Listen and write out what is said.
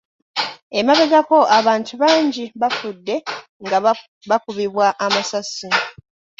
Emabegako abantu bangi bafudde nga bakubibwa amasasi